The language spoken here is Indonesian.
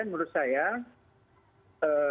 ini adalah uangnya dia yang harus dikeluarkan